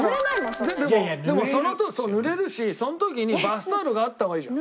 ぬれるしその時にバスタオルがあった方がいいじゃん。